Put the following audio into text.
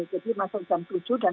jadi masuk jam tujuh dan